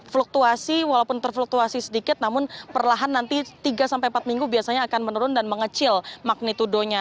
fluktuasi walaupun terfluktuasi sedikit namun perlahan nanti tiga sampai empat minggu biasanya akan menurun dan mengecil magnitudonya